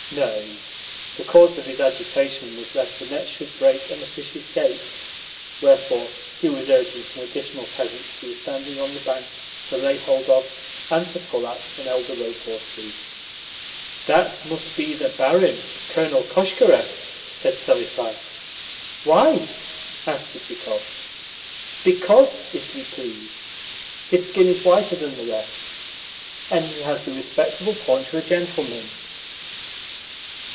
No, the cause of his agitation was lest the net should break, and the fish escape: wherefore he was urging some additional peasants who were standing on the bank to lay hold of and to pull at, an extra rope or two. "That must be the barin Colonel Koshkarev," said Selifan. "Why?" asked Chichikov. "Because, if you please, his skin is whiter than the rest, and he has the respectable paunch of a gentleman."